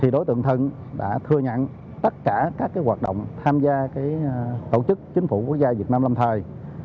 đối tượng thận đã thừa nhận tất cả các hoạt động tham gia tổ chức chính phủ quốc gia việt nam lâm thời